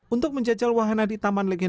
untuk menjajal wahana di taman legenda